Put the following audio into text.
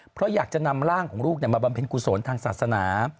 เพราะอยากจะนำร่างของลูกมาบำเพ็ญกุศลทางศาสนา